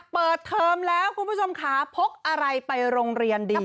เปิดเทอมแล้วคุณผู้ชมค่ะพกอะไรไปโรงเรียนดี